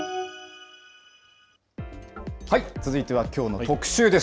続いては、きょうの特集です。